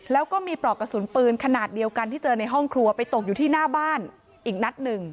แล้วก็มีปลอกกระสุนปืนขนาดเดียวกันที่เจอในห้องครัวไปตกอยู่ที่หน้าบ้านอีกนัดหนึ่ง